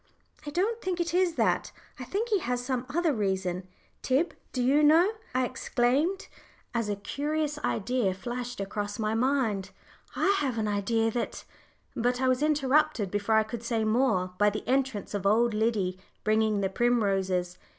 "I don't think it is that. I think he has some other reason. Tib, do you know," I exclaimed, as a curious idea flashed across my mind, "I have an idea that " But I was interrupted before I could say more by the entrance of old Liddy, bringing the primroses.